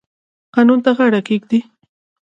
قانون ته غاړه کیږدئ